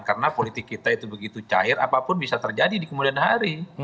karena politik kita itu begitu cair apapun bisa terjadi di kemudian hari